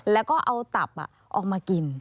แล้วก็เอาตับออกมากิน